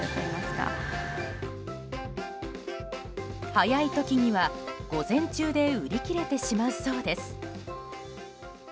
早い時には、午前中で売り切れてしまうそうです。